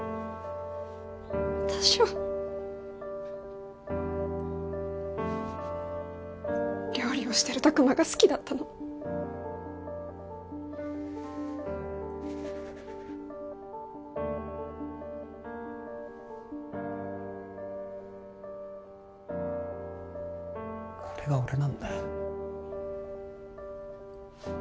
私は料理をしてる拓真が好きだったのこれが俺なんだよ